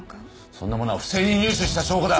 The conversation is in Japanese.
そんなものは不正に入手した証拠だ！